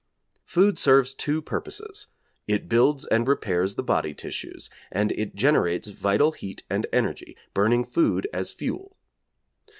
Food serves two purposes, it builds and repairs the body tissues, and it generates vital heat and energy, burning food as fuel.